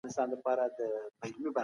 که پانګه وال نظام نه وای نو سود به نه و.